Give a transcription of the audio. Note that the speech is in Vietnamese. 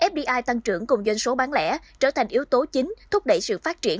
fdi tăng trưởng cùng doanh số bán lẻ trở thành yếu tố chính thúc đẩy sự phát triển